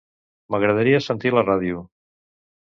M'agradaria sentir la ràdio.